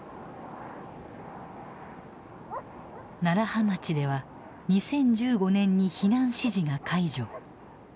楢葉町では２０１５年に避難指示が解除。